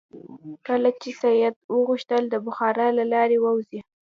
کله چې سید وغوښتل د بخارا له لارې ووځي.